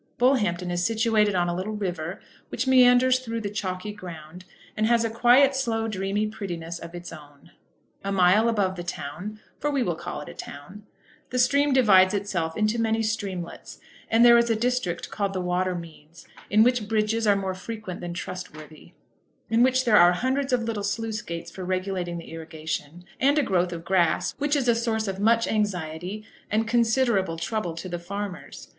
Bullhampton is situated on a little river, which meanders through the chalky ground, and has a quiet, slow, dreamy prettiness of its own. A mile above the town, for we will call it a town, the stream divides itself into many streamlets, and there is a district called the Water Meads, in which bridges are more frequent than trustworthy, in which there are hundreds of little sluice gates for regulating the irrigation, and a growth of grass which is a source of much anxiety and considerable trouble to the farmers.